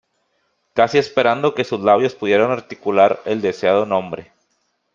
Casi esperando que sus labios pudieran articular el deseado nombre.